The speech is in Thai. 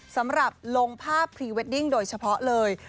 สำหรับลงภาพพรีเวดดิ้งโดยเฉพาะเลย